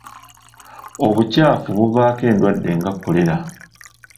Obukyafu buvaako endwadde nga kkolera.